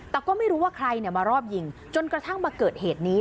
แต่ก็ไม่รู้ว่าใครมารอบยิงจนกระทั่งมาเกิดเหตุนี้